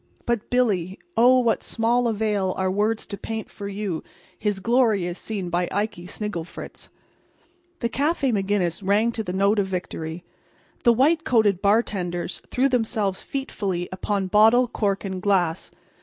But Billy—oh, what small avail are words to paint for you his glory as seen by Ikey Snigglefritz! The Café Maginnis rang to the note of victory. The white coated bartenders threw themselves featfully upon bottle, cork and glass.